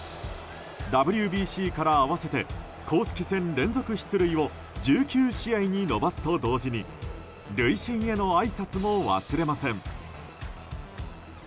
ＷＢＣから合わせて公式戦連続出塁を１９試合に延ばすと同時に塁審へのあいさつも忘れません。